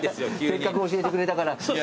せっかく教えてくれたから。